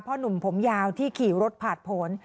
หนุ่มผมยาวที่ขี่รถผ่านผล